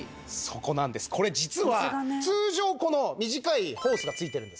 これ実は通常この短いホースが付いてるんです。